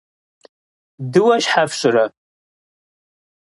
Дыуэ щхьэ фщӀырэ?